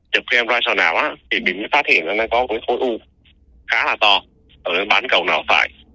chụp cái em rai sò não á thì mình mới phát hiện là nó có cái khối u khá là to ở bán cầu nào phải